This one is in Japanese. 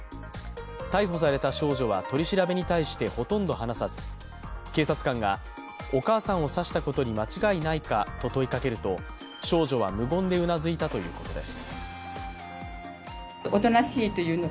逮捕された少女は取り調べに対してほとんど話さず警察官が、お母さんを刺したことに間違いないかと問いかけると少女は無言でうなずいたということです。